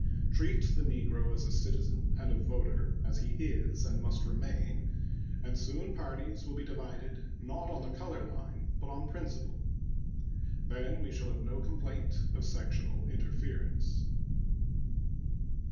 Treat the negro as a citizen and a voter, as he is and must remain, and soon parties will be divided, not on the color line, but on principle. Then we shall have no complaint of sectional interference.